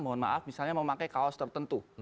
mohon maaf misalnya memakai kaos tertentu